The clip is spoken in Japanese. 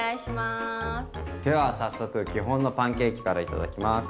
では早速基本のパンケーキから頂きます。